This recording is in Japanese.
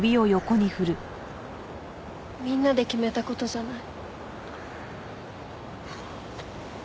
みんなで決めた事じゃない。